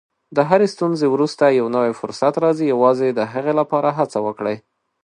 د هرې ستونزې وروسته یو نوی فرصت راځي، یوازې د هغې لپاره هڅه وکړئ.